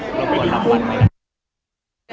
ความคลุกก็จะมีปัญหา